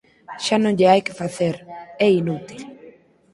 Xa non lle hai que facer, é inútil.